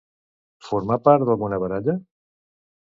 Formà part d'alguna baralla?